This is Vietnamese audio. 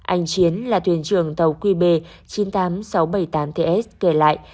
anh chiến là thuyền trưởng tàu qb chín mươi tám nghìn sáu trăm bảy mươi tám ts kể lại